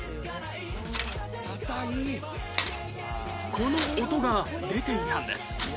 この音が出ていたんです